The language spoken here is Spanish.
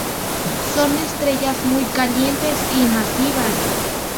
Son estrellas muy calientes y masivas.